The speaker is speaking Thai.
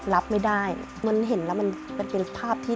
รับไม่ได้มันเห็นแล้วมันเป็นภาพที่